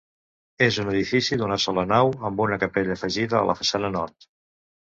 És un edifici d'una sola nau amb una capella afegida a la façana nord.